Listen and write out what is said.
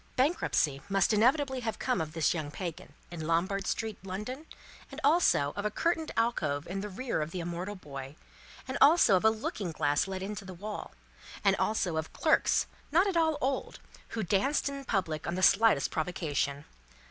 Bankruptcy must inevitably have come of this young Pagan, in Lombard street, London, and also of a curtained alcove in the rear of the immortal boy, and also of a looking glass let into the wall, and also of clerks not at all old, who danced in public on the slightest provocation.